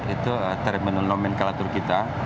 itu terminal nomenklatur kita